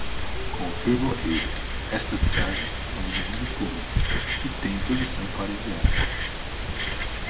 Confirmo que estas frases são de domínio público e tenho permissão para enviar